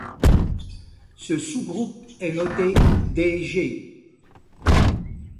Ce sous-groupe est noté dG.